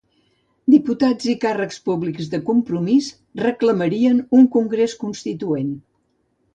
Diputats i càrrecs públics de Compromís reclamarien un congrés constituent.